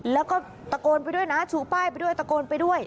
แล้วก็ตะโกนไปด้วยนะชูป้ายไปด้วยตะโกนไปด้วย